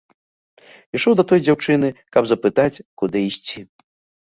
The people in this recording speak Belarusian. Ішоў да той дзяўчыны, каб запытаць, куды ісці.